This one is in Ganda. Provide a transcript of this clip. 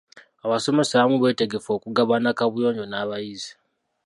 Abasomesa abamu beetegefu okugabana kaabuyonjo n'abayizi.